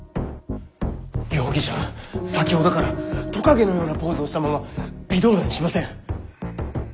容疑者先ほどからトカゲのようなポーズをしたまま微動だにしません。